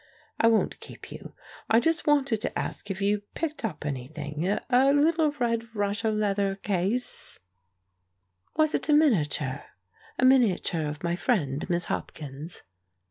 I won't keep you. I just wanted to ask if you picked up anything a little red Russia leather case " "Was it a miniature a miniature of my friend Miss Hopkins?"